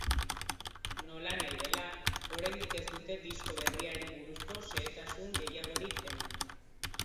Nolanahi dela, oraindik ez dute disko berriari buruzko xehetasun gehiagorik eman.